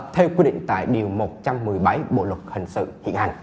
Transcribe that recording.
theo quy định tại điều một trăm một mươi bảy bộ luật hình sự hiện hành